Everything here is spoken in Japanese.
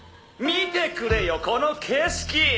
見てくれよこの景色！